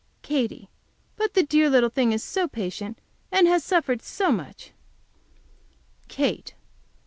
Katy. But the dear little thing is so patient and has suffered so much. Kate.